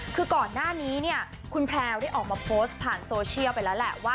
คือก่อนหน้านี้คุณแพลวได้ออกมาโพสต์ผ่านไปแล้วแหละ